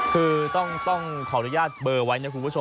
คือต้องขออนุญาตเบอร์ไว้นะคุณผู้ชม